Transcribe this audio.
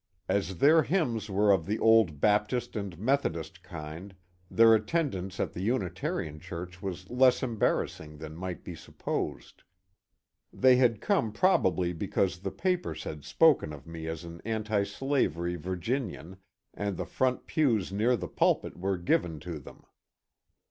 As their hymns were of the old Baptist and Methodist kind, their attendance at the Unitarian church was less embarrass ing than might be supposed. They had come probably because the papers had spoken of me as an antislavery Vir ginian, and the front pews near the pulpit were given to them.